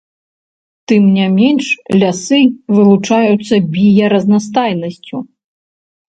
Тым не менш, лясы вылучаюцца біяразнастайнасцю.